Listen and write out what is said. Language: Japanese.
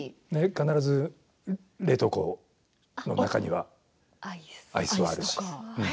必ず冷凍庫の中にはアイスがあるし。